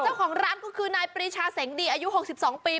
เจ้าของร้านก็คือนายปรีชาเสงดีอายุ๖๒ปี